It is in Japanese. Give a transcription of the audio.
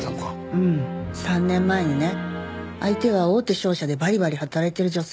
うん３年前にね。相手は大手商社でバリバリ働いてる女性。